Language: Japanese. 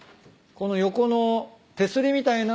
この横の手すりみたいなのは。